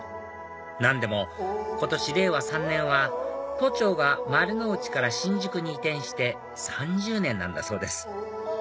何でも今年令和３年は都庁が丸の内から新宿に移転して３０年なんだそうです